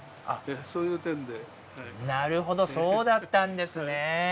そういう点でなるほどそうだったんですね